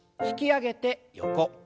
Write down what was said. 引き上げて横。